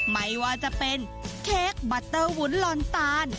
ไม่ว่าจะเป็นเค้กบัตเตอร์วุ้นลอนตาล